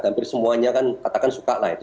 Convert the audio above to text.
hampir semuanya kan katakan suka lah itu